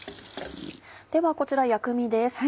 ではこちら薬味です。